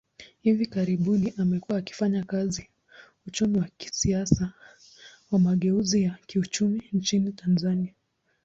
Hivi karibuni, amekuwa akifanya kazi uchumi wa kisiasa wa mageuzi ya kiuchumi nchini Tanzania.